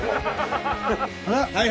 はい。